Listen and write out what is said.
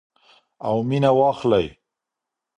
او مینه واخلئ.